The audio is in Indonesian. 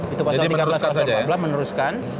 itu pasal tiga belas pasal empat belas meneruskan